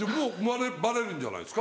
バレるんじゃないですか？